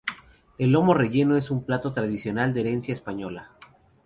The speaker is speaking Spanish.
El lomo relleno es un plato tradicional de herencia española.